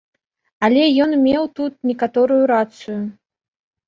Але ён меў тут некаторую рацыю.